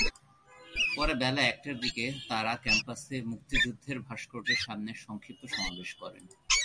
পরে বেলা একটার দিকে তাঁরা ক্যাম্পাসে মুক্তিযুদ্ধের ভাস্কর্যের সামনে সংক্ষিপ্ত সমাবেশ করেন।